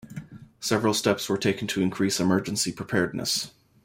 Several steps were taken to increase emergency preparedness.